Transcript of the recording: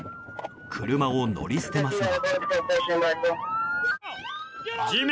車を乗り捨てますが。